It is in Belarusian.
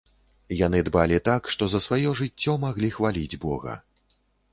Яны дбалі так, што за сваё жыццё маглі хваліць бога.